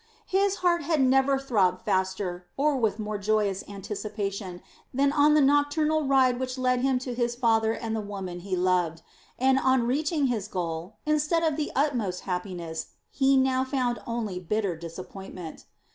His heart had never throbbed faster or with more joyous anticipation than on the nocturnal ride which led him to his father and the woman he loved, and on reaching his goal, instead of the utmost happiness, he now found only bitter disappointment.